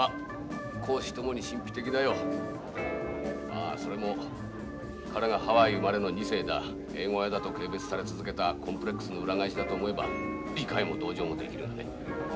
まあそれも彼がハワイ生まれの２世だ英語屋だと軽蔑され続けたコンプレックスの裏返しだと思えば理解も同情もできるがね。